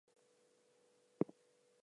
The mischief that was in the man goes away.